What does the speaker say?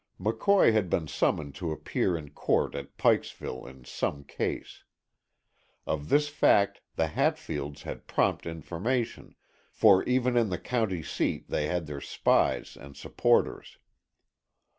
McCoy had been summoned to appear in court at Pikeville in some case. Of this fact the Hatfields had prompt information, for even in the county seat they had their spies and supporters.